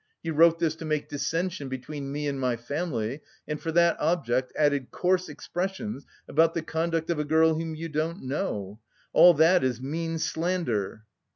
You wrote this to make dissension between me and my family, and for that object added coarse expressions about the conduct of a girl whom you don't know. All that is mean slander."